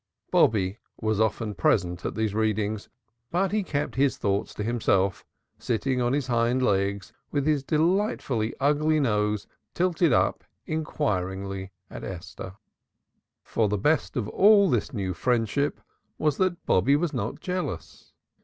"Bobby" was often present at these readings, but he kept his thoughts to himself, sitting on his hind legs with his delightfully ugly nose tilted up inquiringly at Esther. For the best of all this new friendship was that Bobby was not jealous.